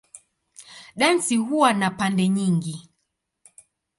Dansi huwa na pande nyingi.